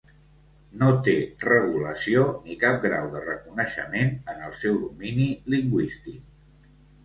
No té regulació ni cap grau de reconeixement en el seu domini lingüístic.